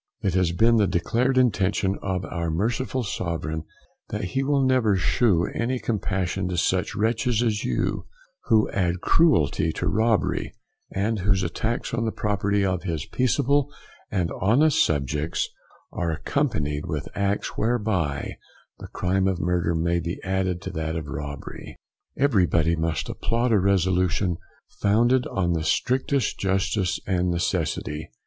It has been the declared intention of our merciful Sovereign, that he will never shew any compassion to such wretches as you, who add cruelty to robbery, and whose attacks on the property of his peaceable and honest subjects are accompanied with acts, whereby the crime of murder may be added to that of robbery. Everybody must applaud a resolution founded on the strictest justice and necessity.